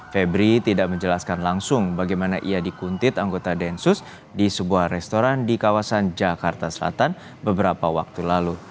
febri tidak menjelaskan langsung bagaimana ia dikuntit anggota densus di sebuah restoran di kawasan jakarta selatan beberapa waktu lalu